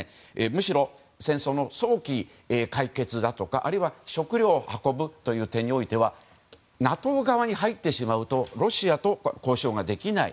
むしろ、戦争の早期解決だとかあるいは食糧を運ぶという点においてはＮＡＴＯ側に入ってしまうとロシアと交渉ができない。